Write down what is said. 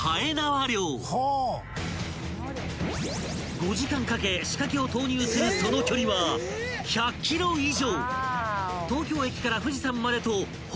［５時間かけ仕掛けを投入するその距離は１００ｋｍ以上］